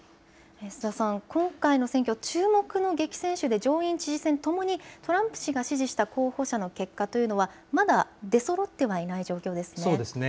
須田さん、今回の選挙、注目の激戦州で上院、知事選ともにトランプ氏が支持した候補者の結果というのはまだ出そろってはいない状況ですね。